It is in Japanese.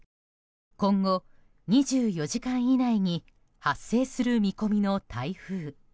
今後、２４時間以内に発生する見込みの台風。